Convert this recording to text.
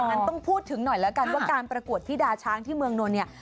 งั้นต้องพูดถึงหน่อยแล้วกันว่าการประกวดพี่ดาช้างที่เมืองนนท์เนี่ย